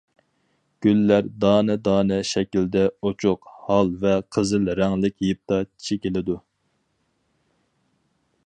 گۈللەر دانە- دانە شەكىلدە ئوچۇق ھال ۋە قىزىل رەڭلىك يىپتا چېكىلىدۇ.